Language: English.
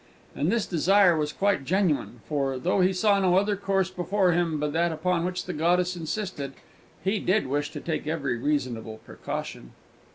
And this desire was quite genuine; for, though he saw no other course before him but that upon which the goddess insisted, he did wish to take every reasonable precaution.